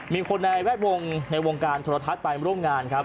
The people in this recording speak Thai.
มีคนในแวดวงในวงการโทรทัศน์ไปร่วมงานครับ